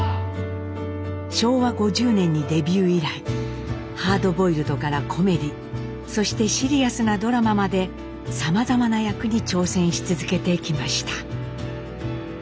昭和５０年にデビュー以来ハードボイルドからコメディーそしてシリアスなドラマまでさまざまな役に挑戦し続けてきました。